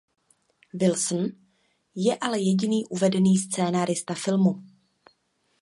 Wilson je ale jediný uvedený scenárista filmu.